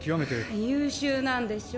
優秀なんでしょ？